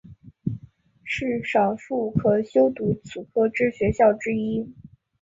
是少数可修读此科之学校之一。